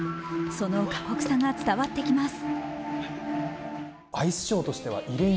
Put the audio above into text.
その過酷さが伝わってきます。